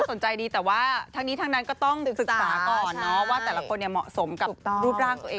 สนใจดีแต่ว่าทั้งนี้ทั้งนั้นก็ต้องศึกษาก่อนเนาะว่าแต่ละคนเหมาะสมกับรูปร่างตัวเอง